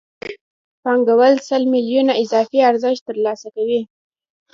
پانګوال سل میلیونه اضافي ارزښت ترلاسه کوي